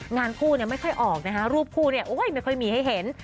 งานคู่ไม่ค่อยออกนะคะรูปคู่เนี่ยไม่ค่อยมีให้เห็น